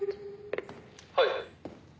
「はい」